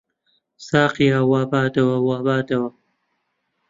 ساقییا! وا بادەوە، وا بادەوە